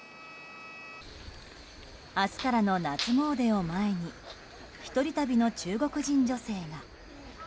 明日からの夏詣を前に１人旅の中国人女性が。